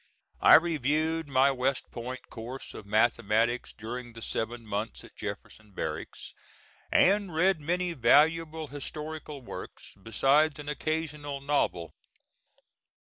I reviewed my West Point course of mathematics during the seven months at Jefferson Barracks, and read many valuable historical works, besides an occasional novel.